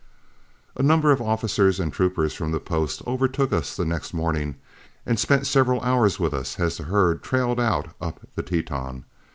A number of officers and troopers from the post overtook us the next morning and spent several hours with us as the herd trailed out up the Teton.